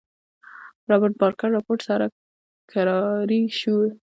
رابرټ بارکر رپوټ سره کراري شوې.